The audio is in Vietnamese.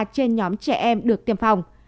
trên nhóm trẻ em được tiêm phòng